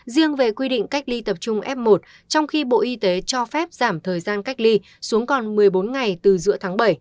riêng về quy định cách ly tập trung f một trong khi bộ y tế cho phép giảm thời gian cách ly xuống còn một mươi bốn ngày từ giữa tháng bảy